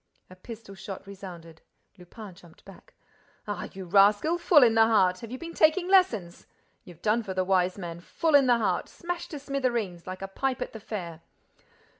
A pistol shot resounded. Lupin jumped back: "Ah, you rascal, full in the heart! Have you been taking lessons? You've done for the Wise Man! Full in the heart! Smashed to smithereens, like a pipe at the fair!